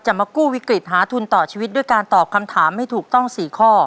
มากู้วิกฤตหาทุนต่อชีวิตด้วยการตอบคำถามให้ถูกต้อง๔ข้อ